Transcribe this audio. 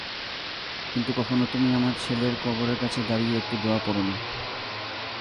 কিন্তু কখনো তুমি আমার ছেলের কবরের কাছে দাঁড়িয়ে একটু দোয়া পড়নি।